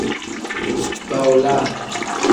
Baawolaa.